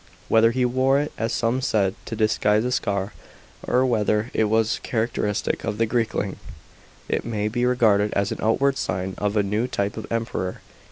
Whether he wore it, as some said, to disguise a scar, or whether it was characteristic of the " Greekling," it may be regarded as an outward sign of a new type of Emperor.